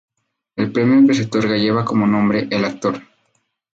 El premio que se otorga lleva como nombre "El actor".